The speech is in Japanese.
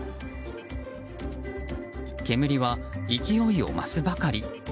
煙は勢いを増すばかり。